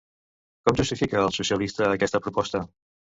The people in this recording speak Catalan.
Com justifica el socialista aquesta proposta?